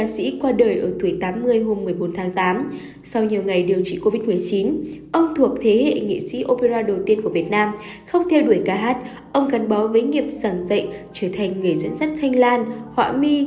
xin chào và hẹn gặp lại các bạn trong những video tiếp theo